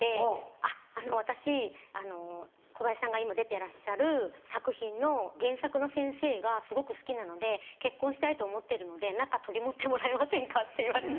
「あっあの私小林さんが今出てらっしゃる作品の原作の先生がすごく好きなので結婚したいと思ってるので仲取り持ってもらえませんか」って言われて。